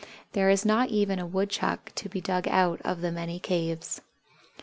There is not even a Woodchuck to be dug out of the many caves.